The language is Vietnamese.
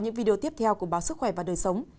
những video tiếp theo của báo sức khỏe và đời sống